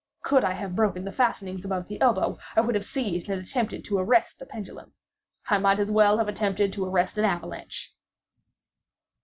Could I have broken the fastenings above the elbow, I would have seized and attempted to arrest the pendulum. I might as well have attempted to arrest an avalanche!